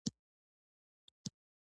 • لور د پلار لپاره د امید شمعه وي.